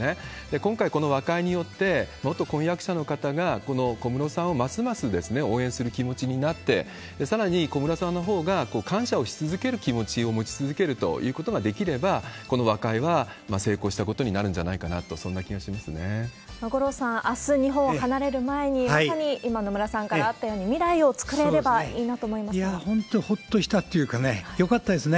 今回、この和解によって、元婚約者の方がこの小室さんをますます応援する気持ちになって、さらに小室さんのほうが感謝をし続ける気持ちを持ち続けるということができれば、この和解は成功したことになるんじゃないかなと、そんな気がしま五郎さん、あす日本を離れる前にまさに今、野村さんからあったように、未来を作れればいいないや、本当、ほっとしたというか、よかったですね。